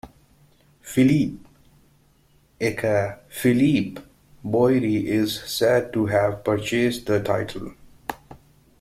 Philippe, aka Philippe Boiry, is said to have purchased the title.